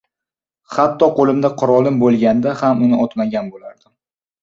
Hatto qo‘limda qurolim bo‘lganda ham uni otmagan bo‘lardim.